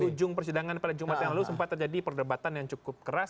di ujung persidangan pada jumat yang lalu sempat terjadi perdebatan yang cukup keras